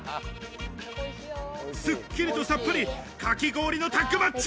すっきりとさっぱり、かき氷のタッグマッチ！